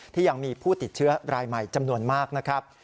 ที่ยังมีผู้ติดเชื้อรายใหม่จำนวนมากนะครับ